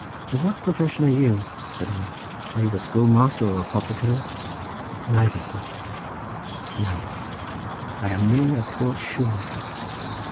"Of what profession are you?" said I; "are you a schoolmaster or apothecary?" "Neither, sir, neither; I am merely a poor shoemaker."